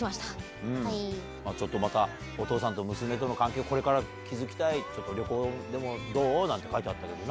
ちょっとまた、お父さんと娘との関係をこれから築きたい、旅行でもどうなんて書いてあったけどな。